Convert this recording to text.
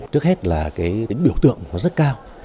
trước hết là cái biểu tượng nó rất cao